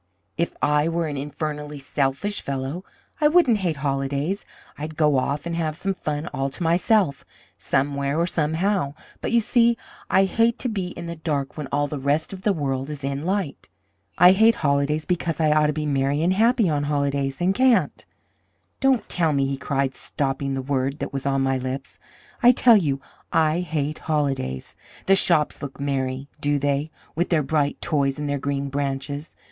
If I were an infernally selfish fellow, I wouldn't hate holidays. I'd go off and have some fun all to myself, somewhere or somehow. But, you see, I hate to be in the dark when all the rest of the world is in light. I hate holidays because I ought to be merry and happy on holidays and can't. "Don't tell me," he cried, stopping the word that was on my lips; "I tell you, I hate holidays. The shops look merry, do they, with their bright toys and their green branches?